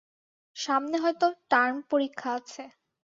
সামনে হয়তো টার্ম পরীক্ষা আছে।